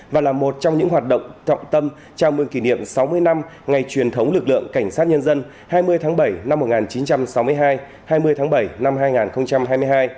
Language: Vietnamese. và là một trong những hoạt động trọng tâm chào mừng kỷ niệm sáu mươi năm ngày truyền thống lực lượng cảnh sát nhân dân hai mươi tháng bảy năm một nghìn chín trăm sáu mươi hai hai mươi tháng bảy năm hai nghìn hai mươi hai